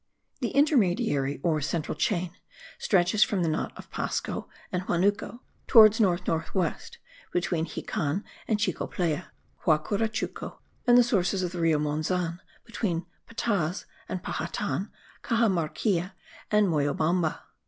The intermediary or central chain stretches from the knot of Pasco and Huanuco, towards north north west, between Xican and Chicoplaya, Huacurachuco and the sources of the Rio Monzan, between Pataz and Pajatan, Caxamarquilla and Moyobamba.